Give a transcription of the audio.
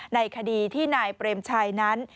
ในคดีที่นายเปรมชัยนั้น